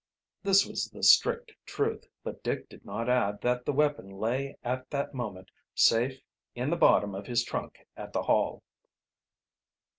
This was the strict truth, but Dick did not add that the weapon lay at that moment safe in the bottom of his trunk at the Hall.